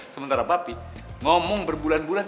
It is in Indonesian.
sementara papi ngomong berbulan bulan